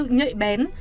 trong sự nhạy bén